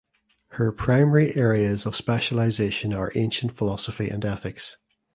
Her primary areas of specialization are ancient philosophy and ethics.